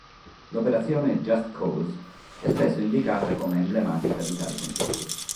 L'operazione Just Cause è spesso indicata come emblematica di tali concetti.